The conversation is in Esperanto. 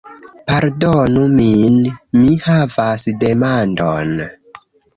Pardonu min, mi havas demandon